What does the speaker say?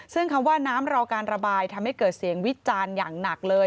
ซึ่งคำว่าน้ำรอการระบายทำให้เกิดเสียงวิจารณ์อย่างหนักเลย